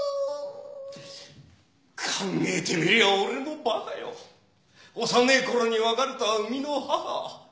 考ぇてみりゃ俺もバカよ幼ぇ頃に別れた生みの母